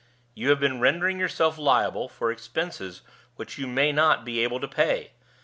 You have been rendering yourself liable for expenses which you may not be able to pay.